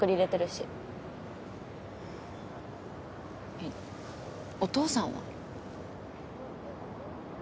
えっお父さんは？